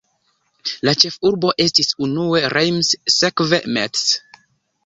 La ĉefurbo estis unue Reims, sekve Metz.